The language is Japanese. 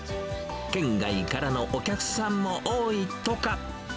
県外からのお客さんも多いとか。